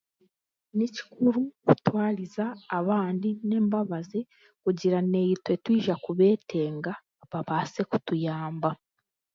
Ni kikuru kutwariza abandi n'embabazi kugira ngu naitwe twiza kubeetenga babaase kutuyamba